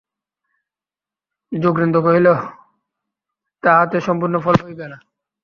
যোগেন্দ্র কহিল, তাহাতেও সম্পূর্ণ ফল হইবে না।